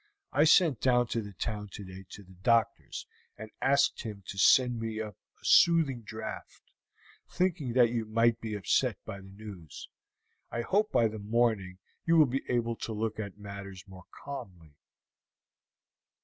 I sent down to the town today to the doctor's and asked him to send me up a soothing draught, thinking that you might be upset by the news. I hope by the morning you will be able to look at matters more calmly."